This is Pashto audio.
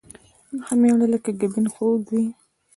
ښه مېړه لکه ګبين خوږ وي